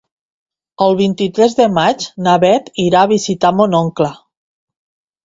El vint-i-tres de maig na Beth irà a visitar mon oncle.